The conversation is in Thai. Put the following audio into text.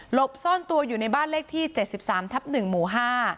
หลบซ่อนตัวอยู่ในบ้านเลขที่เจ็ดสิบสามทับหนึ่งหมู่ห้า